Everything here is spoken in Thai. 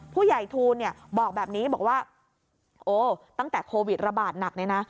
ทูลเนี่ยบอกแบบนี้บอกว่าโอ้ตั้งแต่โควิดระบาดหนักเลยนะ